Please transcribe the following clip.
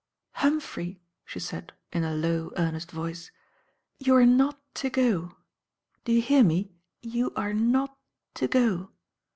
"Humphrey," she said, in a low, earnest voice, "you are not to go. Do you hear me? You are not to go."